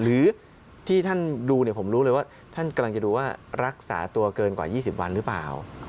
หรือที่ท่านดูผมรู้เลยว่าท่านกำลังจะดูว่ารักษาตัวเกินกว่า๒๐วันหรือเปล่า